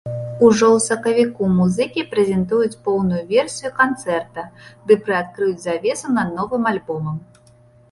Ужо у сакавіку музыкі прэзентуюць поўную версію канцэрта ды прыадкрыюць завесу над новым альбомам.